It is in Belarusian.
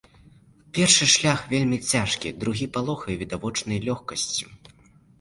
Першы шлях вельмі цяжкі, другі палохае відавочнай лёгкасцю.